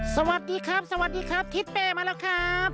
สวัสดีครับที่เป๊ะมาแล้วครับ